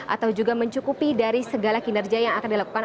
atau juga mencukupi dari segala kinerja yang akan dilakukan